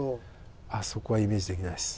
あそこはイメージできないです。